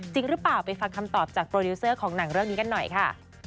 จริงหรือเปล่าไปฟังคำตอบจากโปรดิวเซอร์ของหนังเรื่องนี้กันหน่อยค่ะ